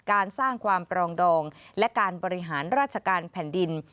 การสร้างความปรองดองและการบริหารราชการแผ่นดิน